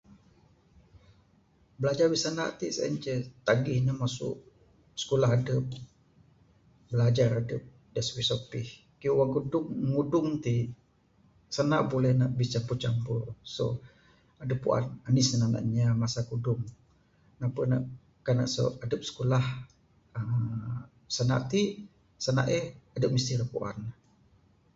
Bilajar bisanda ti sien ce tagih ne masu skulah adep bilajar adep supih supih, kayuh wang ngudung ti sanda ne buleh bicampur campur adep puan anih sinanda inya masa kudung, kan ne adep skulah aaa sanda ti sanda eh adep mesti ra puan.